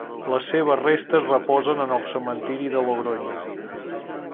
Les seves restes reposen en el cementiri de Logronyo.